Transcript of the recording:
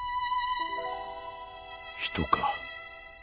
人か。